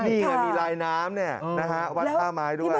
นี่มีลายน้ำนี่วัดท่าม้ายด้วย